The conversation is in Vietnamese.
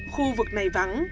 khu vực này vắng